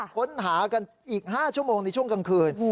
ค้นหากันอีก๕ชั่วโมงในช่วงกลางคืน